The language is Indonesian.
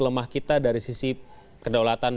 lemah kita dari sisi kedaulatan